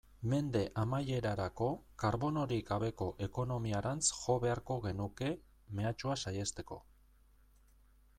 Mende amaierarako karbonorik gabeko ekonomiarantz jo beharko genuke, mehatxua saihesteko.